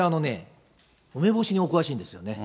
梅干しにお詳しいんですね。